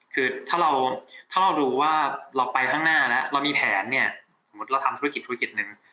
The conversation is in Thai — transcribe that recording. คือถ้าเราดูว่าเราไปข้างหน้าแล้วเรามีแผนสมมติเราทำธุรกิจนึง